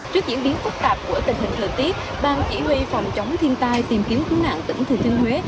trước diễn biến phức tạp của tình hình lợi tiết bang chỉ huy phòng chống thiên tai tìm kiếm cứu nạn tỉnh thừa thiên huế